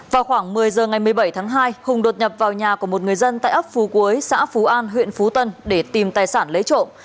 vào khoảng một mươi giờ ngày một mươi bảy tháng hai hùng đột nhập vào nhà của một người dân tại ấp phú quế xã phú an huyện phú tân để tìm tài sản lấy trộm